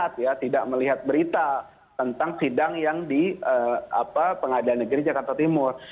tidak melihat berita tentang sidang yang di pengadilan negeri jakarta timur